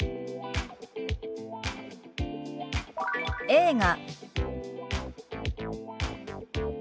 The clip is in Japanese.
「映画」。